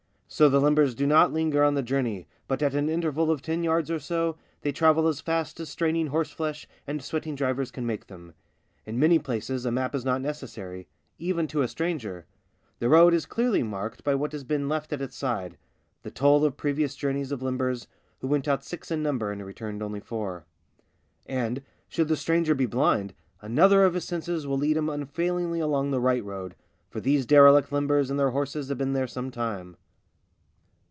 So the limbers do not linger on the journey, but, at an interval of ten yards or so, they travel as fast as straining horseflesh and sweating drivers can make them. In many places a map is not necessary — even to a stranger. The road is clearly marked by what has been left at its side — the toll of previous journeys of limbers, who went out six in number and returned only four. And, should the stranger THE BLACK SHEEP 6f be blind, another of his senses will lead him unfailingly along the right road, for these derelict limbers and their horses have been there some time.